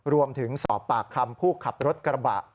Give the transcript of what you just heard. รวมถึงสอบปากคำผู้ขับรถกระบะ